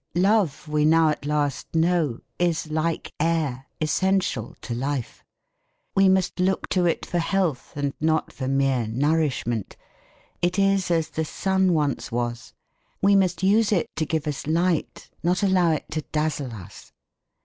Love, we now at last know, is like air, essential to life; we must look to it for health and not for mere nourishment. It is as the sun once was, we must use it to give us light, not allow it to dazzle us.